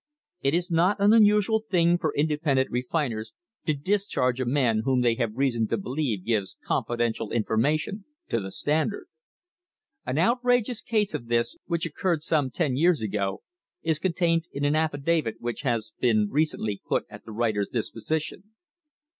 It is not an unusual thing for independent refiners to discharge a man whom they have reason to believe gives confidential informa tion to the Standard. An outrageous case of this, which oc curred some ten years ago, is contained in an affidavit which has been recently put at the writer's disposition.